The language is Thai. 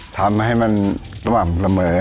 ทำให้มันสม่ำเสมอ